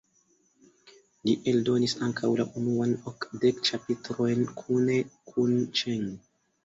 Li eldonis ankaŭ la unuajn okdek ĉapitrojn kune kun Ĉeng.